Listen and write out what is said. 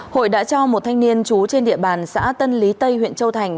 hội đã cho một thanh niên chú trên địa bàn xã tân lý tây huyện châu thành